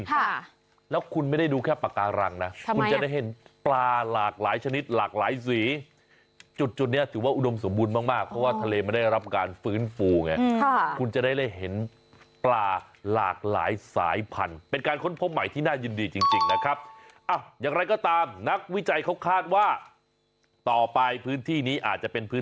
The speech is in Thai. ค่ะแล้วคุณไม่ได้ดูแค่ปากการังนะคุณจะได้เห็นปลาหลากหลายชนิดหลากหลายสีจุดจุดเนี้ยถือว่าอุดมสมบูรณ์มากมากเพราะว่าทะเลไม่ได้รับการฟื้นฟูไงค่ะคุณจะได้เห็นปลาหลากหลายสายพันธุ์เป็นการค้นพบใหม่ที่น่ายินดีจริงจริงนะครับอ่ะอย่างไรก็ตามนักวิจัยเขาคาดว่าต่อไปพื้นที่นี้อาจจะเป็นพื้น